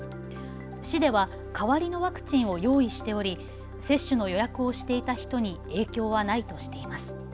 市では代わりのワクチンを用意しており接種の予約をしていた人に影響はないとしています。